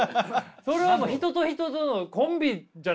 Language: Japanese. それは人と人とのコンビじゃないやん。